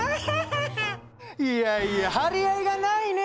いやいや張り合いがないね